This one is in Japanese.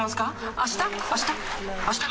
あした？